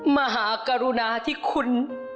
มหากรุณาที่คุณ